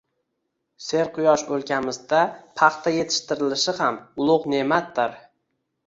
Serquyosh o‘lkamizda paxta yetishtirilishi ham ulug‘ ne'matdir